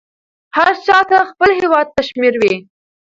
هر چاته خپل هیواد کشمیر وې.